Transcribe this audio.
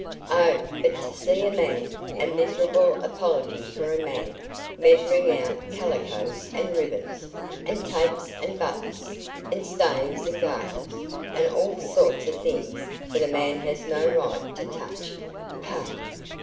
"Oh, but to see a man a miserable apology for a man measuring out calicoes and ribbons, and tapes and buttons, and stays and garters, and all sorts of things that a man has no right to touch pugh!"